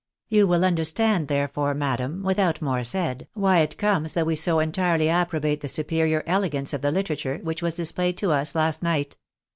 You will understand, therefore, madam, without more said, why it comes that we so entirely approbate the superior elegance of the literature which was displayed to us last night.